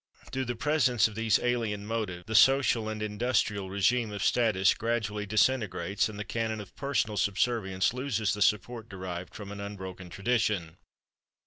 Through the presence of these alien motives the social and industrial régime of status gradually disintegrates, and the canon of personal subservience loses the support derived from an unbroken tradition.